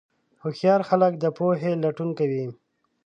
هوښیار خلک د پوهې لټون کوي.